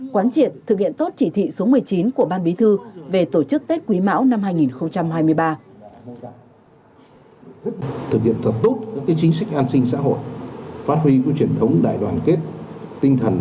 quán triệt thực hiện tốt chỉ thị số một mươi chín của ban bí thư về tổ chức tết quý mão năm hai nghìn hai mươi ba